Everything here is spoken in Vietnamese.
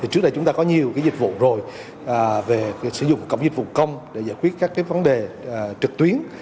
trước đây chúng ta có nhiều dịch vụ rồi về sử dụng cổng dịch vụ công để giải quyết các vấn đề trực tuyến